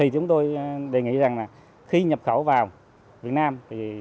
chúng tôi đề nghị rằng khi nhập khẩu vào việt nam